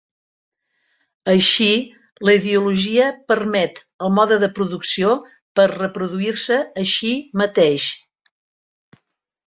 Així, la ideologia permet el mode de producció per reproduir-se així mateix.